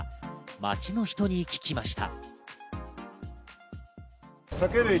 街の人に聞きました。